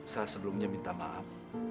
saya sebelumnya minta maaf